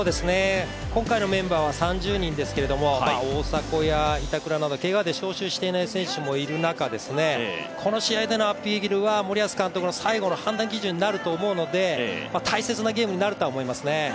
今回のメンバーは３０人ですけど大迫や板倉などけがで招集していない選手もいる中、この試合でのアピールは森保監督の最後の判断基準になると思うので大切なゲームになるとは思いますね。